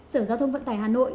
sở giao thông vận tải hà nội